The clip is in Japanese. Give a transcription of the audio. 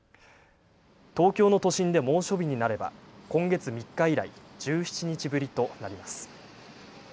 東京の都心で猛暑日になれば今月３日以来、１７日ぶりとなります。